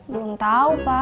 belum tau pa